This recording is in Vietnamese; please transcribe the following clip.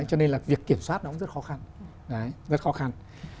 cho nên là việc kiểm soát nó cũng rất khó khăn